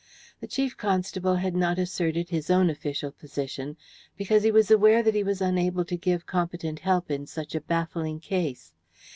The Chief Constable had not asserted his own official position, because he was aware that he was unable to give competent help in such a baffling case.